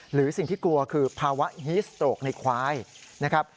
หรือสิ่งที่กลัวคือภาวะฮีสโตรกในควายนะครับ